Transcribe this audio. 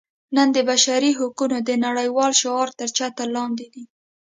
نن د بشري حقونو د نړیوال شعار تر چتر لاندې دي.